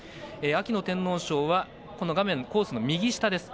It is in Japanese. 秋の天皇賞はコースの右下です。